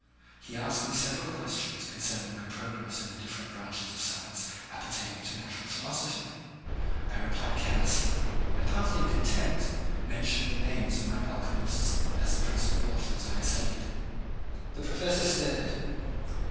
He asked me several questions concerning my progress in the different branches of science appertaining to natural philosophy. I replied carelessly, and partly in contempt, mentioned the names of my alchemists as the principal authors I had studied. The professor stared.